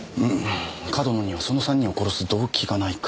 上遠野にはその３人を殺す動機がないか。